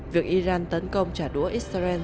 việc iran tấn công trả đũa israel